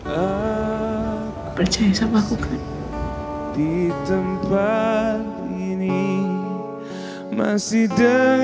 kau percaya sama aku kan